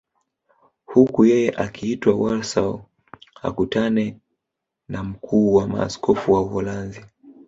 Huku yeye akiitwa Warsaw akutane na mkuu wa maaskofu wa Uholanzi